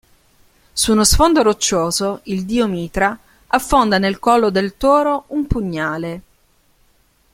Su uno sfondo roccioso il dio Mitra affonda nel collo del toro un pugnale.